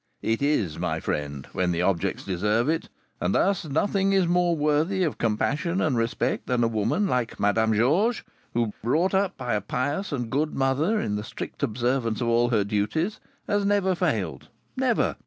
"It is, my friend, when the objects deserve it; and thus nothing is more worthy of compassion and respect than a woman like Madame Georges, who, brought up by a pious and good mother in the strict observance of all her duties, has never failed, never!